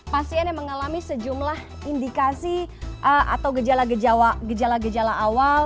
pasien yang mengalami sejumlah indikasi atau gejala gejala awal